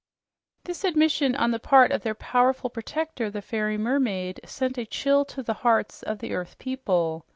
This admission on the part of their powerful protector, the fairy mermaid, sent a chill to the hearts of the earth people.